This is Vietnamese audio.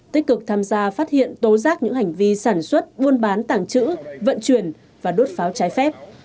tích cực tham gia phát hiện tố giác những hành vi sản xuất buôn bán tàng trữ vận chuyển và đốt pháo trái phép